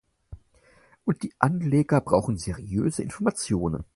Und die Anleger brauchen seriöse Informationen.